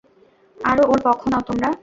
আরো ওর পক্ষ নাও তোমরা।